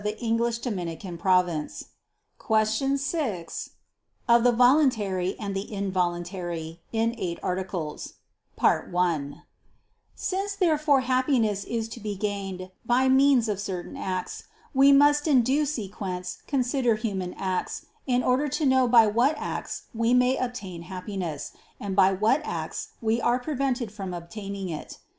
6 21) ________________________ QUESTION 6 OF THE VOLUNTARY AND THE INVOLUNTARY (In Eight Articles) Since therefore Happiness is to be gained by means of certain acts, we must in due sequence consider human acts, in order to know by what acts we may obtain Happiness, and by what acts we are prevented from obtaining it.